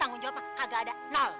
tanggung jawab agak ada nol